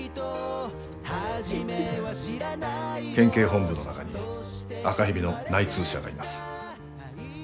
県警本部の中に赤蛇の内通者がいます。